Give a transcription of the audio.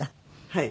はい。